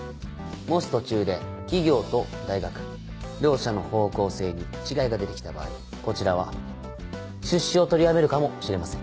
もし途中で企業と大学両者の方向性に違いが出てきた場合こちらは出資を取りやめるかもしれません。